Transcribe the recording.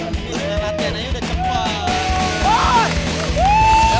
latihan latiannya udah cepet